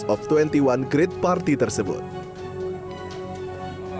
pesta terhenti setelah petugas polres tanjung jabung barat memubarkan pesta